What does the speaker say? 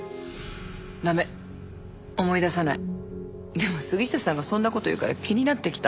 でも杉下さんがそんな事言うから気になってきた。